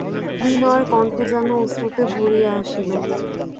বিনয়ের কণ্ঠ যেন অশ্রুতে ভরিয়া আসিল।